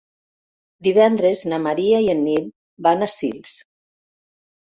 Divendres na Maria i en Nil van a Sils.